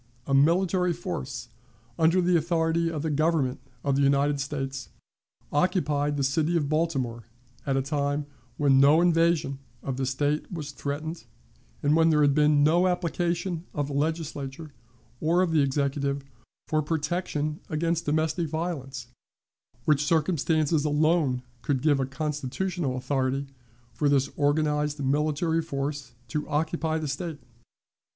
A military force, under the authority of the Government of the United States, occupied the city of Baltimore at a time when no invasion of the State was threatened, and when there had been no application of the Legislature, or of the Executive, for protection against domestic violence, which circumstances alone could give a constitutional authority for this organized military force to occupy the State.